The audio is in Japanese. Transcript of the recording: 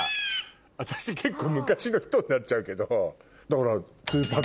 私結構昔の人になっちゃうけど。